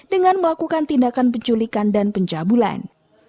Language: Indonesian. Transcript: dengan melakukan tindakan penculikan dan pencabulan